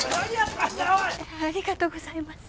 ありがとうございます。